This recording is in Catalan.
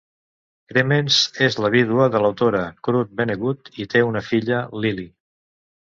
Krementz és la vídua de l'autora Kurt Vonnegut i té una filla, Lily.